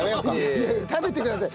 いやいや食べてください。